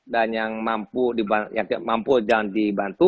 dan yang mampu jangan dibantu